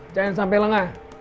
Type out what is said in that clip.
jangan sampai lengah